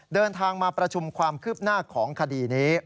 เดินทางมาประชุมความคืบหน้าของคดีนี้